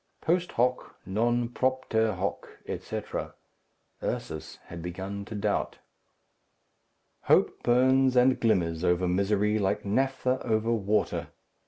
Post hoc, non propter hoc, etc. Ursus had begun to doubt. Hope burns and glimmers over misery like naphtha over water.